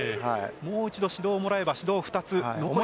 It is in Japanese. もう一度指導をもらえば指導２つ。